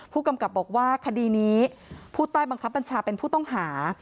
ผู้กำกับบอกว่าคดีนี้ผู้ใต้บังคับบัญชาเป็นผู้ต้องหา